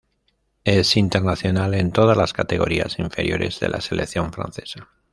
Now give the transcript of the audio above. Es internacional en todas las categorías inferiores de la selección francesa.